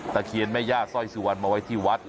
เคียนแม่ย่าสร้อยสุวรรณมาไว้ที่วัด